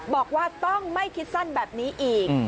บอกว่าต้องไม่คิดสั้นแบบนี้อีก